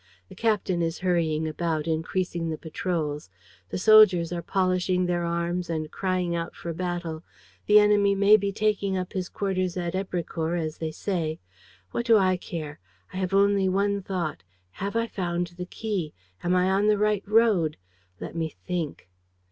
The captain is hurrying about, increasing the patrols; the soldiers are polishing their arms and crying out for the battle; the enemy may be taking up his quarters at Èbrecourt, as they say: what do I care? I have only one thought: have I found the key? Am I on the right road? Let me think.